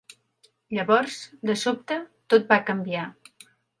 Llavors, de sobte, tot va canviar.